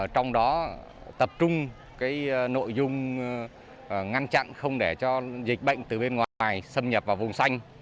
trong đó tập trung nội dung ngăn chặn không để cho dịch bệnh từ bên ngoài xâm nhập vào vùng xanh